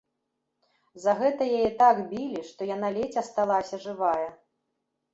За гэта яе так білі, што яна ледзь асталася жывая.